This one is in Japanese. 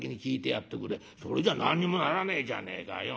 「それじゃ何にもならねえじゃねえかよ。